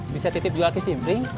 bisa titip juga ke cimpring